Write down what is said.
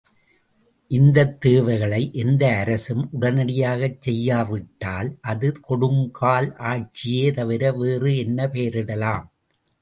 இந்தத் தேவைகளை எந்த அரசும் உடனடியாகச் செய்யாவிட்டால் அது கொடுங்கால் ஆட்சியே தவிர வேறு என்ன பெயரிடலாம்?